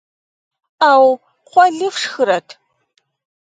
Ӏэу, кхъуэли фшхырэт?